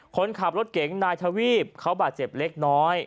คนขับรถเก๋งนายทวีปเขาบาดเจ็บเล็กน้อย